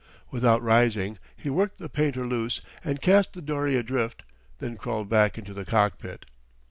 Without rising he worked the painter loose and cast the dory adrift; then crawled back into the cockpit.